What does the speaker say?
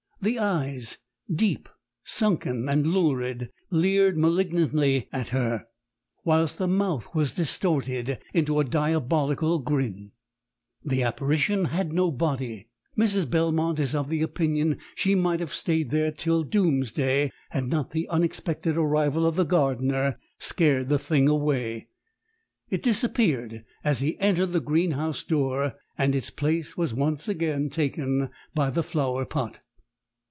"The eyes, deep, sunken and lurid, leered malignantly at her, whilst the mouth was distorted into a diabolical grin. "The apparition had no body. "Mrs. Belmont is of the opinion she might have stayed there till doomsday had not the unexpected arrival of the gardener scared the thing away it disappeared as he entered the greenhouse door and its place was once again taken by the flower pot!